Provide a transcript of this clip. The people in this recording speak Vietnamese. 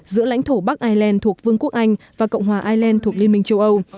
giữa lãnh thổ bắc ireland thuộc vương quốc anh và cộng hòa ireland thuộc liên minh châu âu